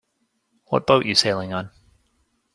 What boat you sailing on?